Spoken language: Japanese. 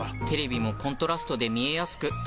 テレビもコントラストで見えやすく。